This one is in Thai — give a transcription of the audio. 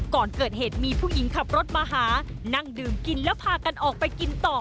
ก่อนเกิดเหตุมีผู้หญิงขับรถมาหานั่งดื่มกินแล้วพากันออกไปกินต่อ